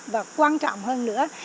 và quan trọng hơn nữa